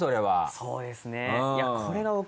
そうですね。